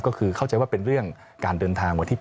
ก็คือเข้าใจว่าเป็นเรื่องการเดินทางวันที่๘